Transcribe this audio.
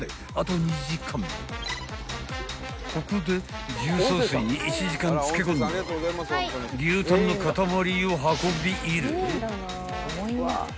［ここで重曹水に１時間漬け込んだ牛タンの塊を運び入れ］